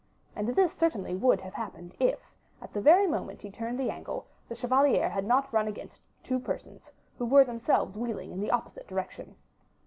And this, certainly, would have happened, if, at the very moment he turned the angle, the chevalier had not run against two persons, who were themselves wheeling in the opposite direction.